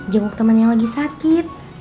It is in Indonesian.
jenguk temennya lagi sakit